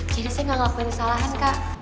jadi saya gak ngelakuin kesalahan kak